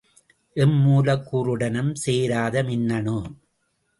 M மூலக்கூறுடனும் சேராத மின்னணு.